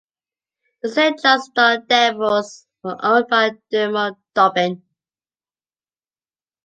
The Saint John's Fog Devils were owned by Dermot Dobbin.